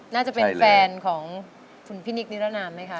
น่าจะเป็นแฟนของคุณพี่นิคนิรนามไหมคะ